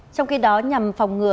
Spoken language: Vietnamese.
trong khi đó nhằm phòng ngừa